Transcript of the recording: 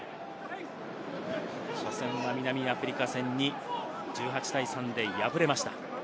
初戦は南アフリカ戦に１８対３で敗れました。